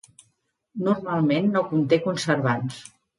Normalment no conté conservants.